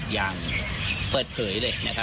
อย่างเปิดเผยเลย